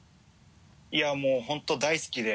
いやもう本当大好きで。